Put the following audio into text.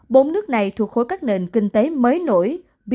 bốn nước này thuộc khối các nền kinh tế mới nổi